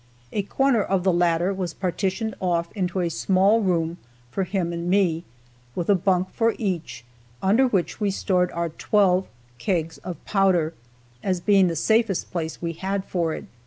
A corner of the latter was partitioned off into a small room for him and me, with a bunk for each, under which we stored our twelve kegs of powder, as being the safest place we had for it.